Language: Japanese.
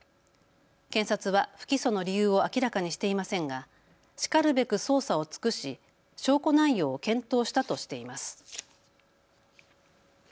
検察は不起訴の理由を明らかにしていませんがしかるべく捜査を尽くし証拠内容を検討したとしています。